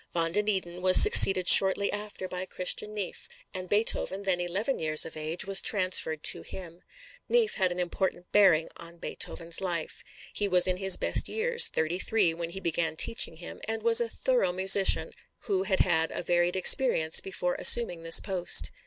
Van den Eeden was succeeded shortly after by Christian Neefe, and Beethoven, then eleven years of age, was transferred to him. Neefe had an important bearing on Beethoven's life. He was in his best years, thirty three, when he began teaching him, and was a thorough musician, who had had a varied experience before assuming this post.